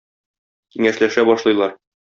Киңәшләшә башлыйлар.